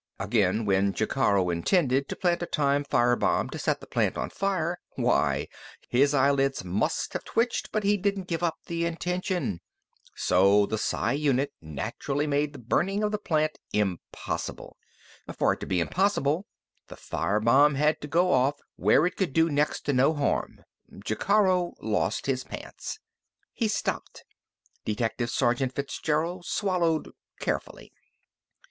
Again, when Jacaro intended to plant a time fire bomb to set the plant on fire why his eyelids must have twitched but he didn't give up the intention. So the psi unit naturally made the burning of the plant impossible. For it to be impossible, the fire bomb had to go off where it would do next to no harm. Jacaro lost his pants." He stopped. Detective Sergeant Fitzgerald swallowed carefully.